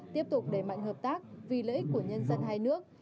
tiếp tục đẩy mạnh hợp tác vì lợi ích của nhân dân hai nước